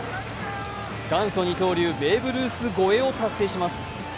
元祖二刀流、ベーブ・ルース超えを達成します。